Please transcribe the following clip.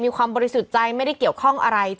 ความบริสุทธิ์ใจไม่ได้เกี่ยวข้องอะไร